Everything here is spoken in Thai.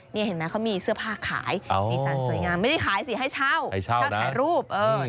นี่เห็นไหมเขามีเสื้อผ้าขายสีสันสวยงามไม่ได้ขายสิให้เช่าเช่าถ่ายรูป